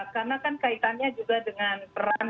karena kan kaitannya juga dengan peran